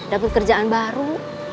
dapet kerjaan baru